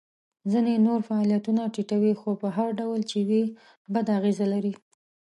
ځینې نور یې فعالیتونه ټیټوي خو په هر ډول چې وي بده اغیزه لري.